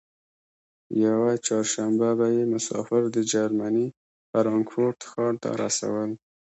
یوه چهارشنبه به یې مسافر د جرمني فرانکفورت ښار ته رسول.